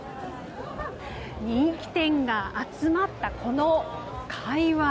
人気店が集まったこの界隈。